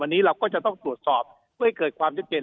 วันนี้เราก็จะต้องตรวจสอบเพื่อให้เกิดความชัดเจน